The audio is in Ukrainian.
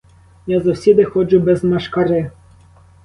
Я завсіди ходжу без машкари.